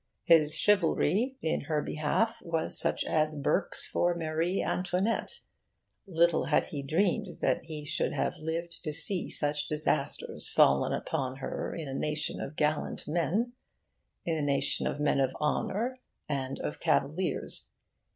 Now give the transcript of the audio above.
His chivalry in her behalf was such as Burke's for Marie Antoinette little had he dreamed that he should have lived to see such disasters fallen upon her in a nation of gallant men, in a nation of men of honour, and of cavaliers.